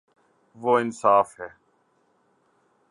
وہ انصا ف ہے